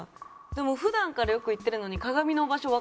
でも普段からよく行ってるのに。